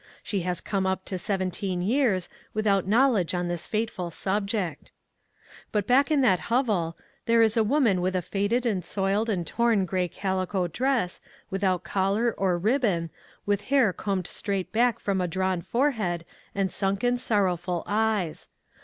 She has come up to seventeen years without knowledge on this fateful subject. But back in that hovel, there is a woman with a faded and soiled and torn gray calico dress, without collar or ribbon, with hair combed straight back from a drawn forehead and sunken, sorrowful eyes.